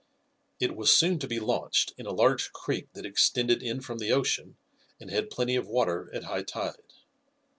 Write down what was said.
It was soon to be launched in a large creek that extended in from the ocean and had plenty of water at high tide.